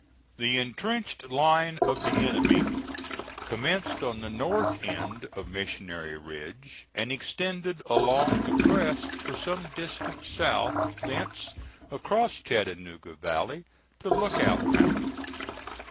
The intrenched line of the enemy commenced on the north end of Missionary Ridge and extended along the crest for some distance south, thence across Chattanooga valley to Lookout Mountain.